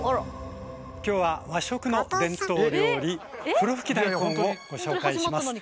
今日は和食の伝統料理「ふろふき大根」をご紹介します。